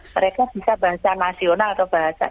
mereka bisa bahasa nasional atau bahasa